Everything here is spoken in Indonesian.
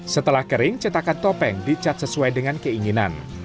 setelah kering cetakan topeng dicat sesuai dengan keinginan